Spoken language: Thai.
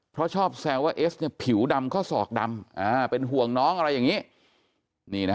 เพราะชอบแซวว่าเอสเนี่ยผิวดำข้อศอกดำเป็นห่วงน้องอะไรอย่างนี้